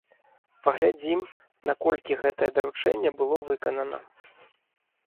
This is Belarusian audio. Паглядзім, наколькі гэтае даручэнне было выканана.